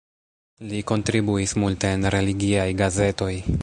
Li kontribuis multe en religiaj gazetoj.